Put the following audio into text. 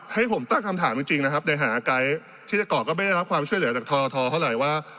ให้ผมตั้งคำถามจริงนะครับในฐานะไกด์ที่จะเกาะก็ไม่ได้รับความช่วยเหลือจากททเท่าไหร่ว่า